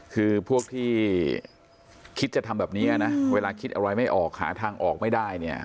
คือพวกที่คิดจะทำแบบนี้นะเวลาคิดอะไรไม่ออกหาทางออกไม่ได้เนี่ย